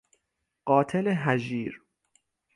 قاتل هژیر